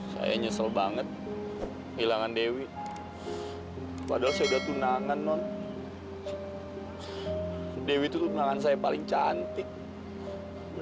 sekarang gua tanya sama lu